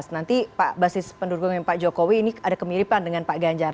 nanti pak basis pendukungnya pak jokowi ini ada kemiripan dengan pak ganjar